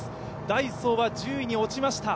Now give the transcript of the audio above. ダイソーは１０位に落ちました。